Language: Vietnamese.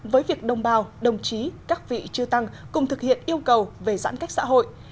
với việc đồng bào đồng chí các vị trư tăng cùng thực hiện yêu cầu về giãn cách xã hội